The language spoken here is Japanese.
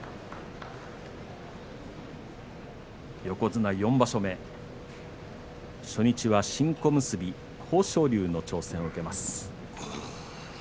横綱４場所目初日は新小結豊昇龍の挑戦を受けます。